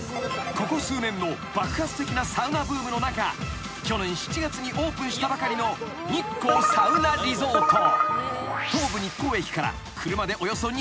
［ここ数年の爆発的なサウナブームの中去年７月にオープンしたばかりの日光サウナリゾート］